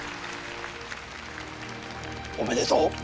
おめでとう！